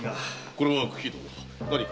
これは九鬼殿何か？